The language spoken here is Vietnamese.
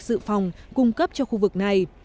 dự phòng cung cấp cho khu vực này